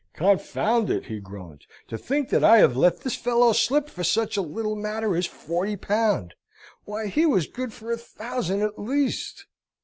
"Confound it," he groaned, "to think that I have let this fellow slip for such a little matter as forty pound! Why, he was good for a thousand at least."